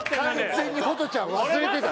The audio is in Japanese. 完全にホトちゃん忘れてた。